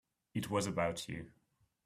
It was about you.